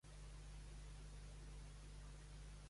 Cinquens premis: cinc mil euros per bitllet i n’hi ha tres.